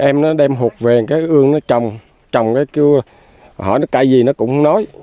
em nó đem hột về cái ương nó trồng trồng cái kêu hỏi nó cãi gì nó cũng không nói